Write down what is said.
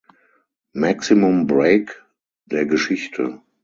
Maximum Break der Geschichte.